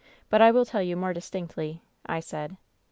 But I will tell you more distinctly,' I said.